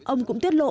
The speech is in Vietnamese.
ông cũng tiết lộ